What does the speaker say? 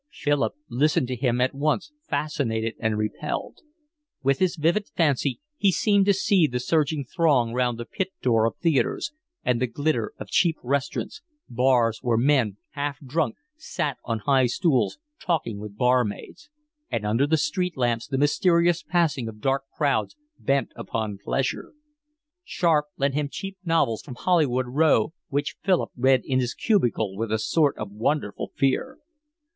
Philip listened to him at once fascinated and repelled. With his vivid fancy he seemed to see the surging throng round the pit door of theatres, and the glitter of cheap restaurants, bars where men, half drunk, sat on high stools talking with barmaids; and under the street lamps the mysterious passing of dark crowds bent upon pleasure. Sharp lent him cheap novels from Holywell Row, which Philip read in his cubicle with a sort of wonderful fear.